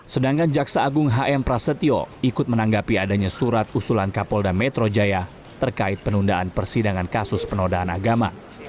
sedangkan jaksa agung hm prasetyo ikut menanggapi adanya surat usulan kapolda metro jaya terkait penundaan persidangan kasus penodaan agama